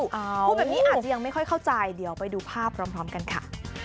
พูดแบบนี้อาจจะยังไม่ค่อยเข้าใจเดี๋ยวไปดูภาพพร้อมกันค่ะ